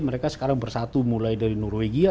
mereka sekarang bersatu mulai dari norwegia